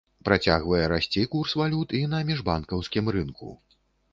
Працягвае расці курс валют і на міжбанкаўскім рынку.